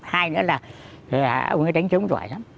hai nữa là ông ấy đánh trống giỏi lắm